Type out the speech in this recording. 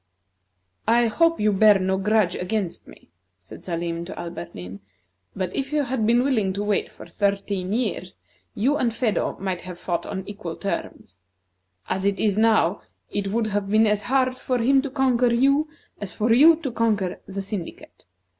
"I hope you bear no grudge against me," said Salim to Alberdin; "but if you had been willing to wait for thirteen years, you and Phedo might have fought on equal terms. As it is now, it would have been as hard for him to conquer you, as for you to conquer the syndicate.